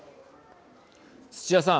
土屋さん。